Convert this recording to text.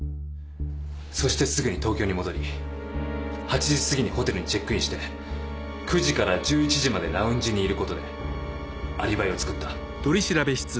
そしてすぐに東京に戻り８時過ぎにホテルにチェックインして９時から１１時までラウンジにいることでアリバイを作った。